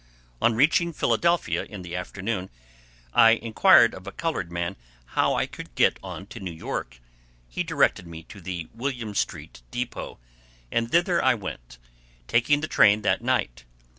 On reaching Philadelphia in the afternoon, I inquired of a colored man how I could get on to New York. He directed me to the William street depot, and thither I went, taking the train that night.